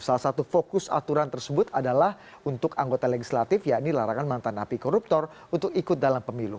salah satu fokus aturan tersebut adalah untuk anggota legislatif yakni larangan mantan api koruptor untuk ikut dalam pemilu